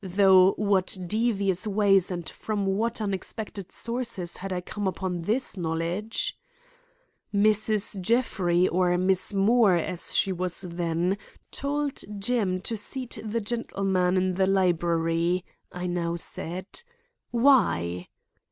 Through what devious ways and from what unexpected sources had I come upon this knowledge? "Mrs. Jeffrey, or Miss Moore, as she was then, told Jim to seat the gentleman in the library," I now said. "Why?"